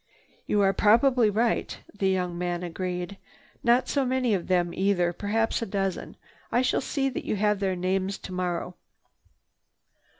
"You are probably right," the young man agreed. "Not so many of them either, perhaps a dozen. I shall see that you have their names tomorrow."